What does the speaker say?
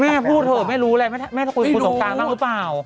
แม่พูดเถอะไม่รู้เลยไม่คุยควุตกกลางหรือเปล่า